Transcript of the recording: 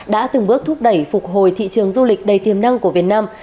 đã từng bước thúc đẩy phục hồi thị trường du lịch đầy tiềm năng của việt nam